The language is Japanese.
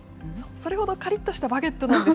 それほどかりっとしたバゲットなんです。